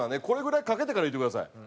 これぐらい描けてから言ってください。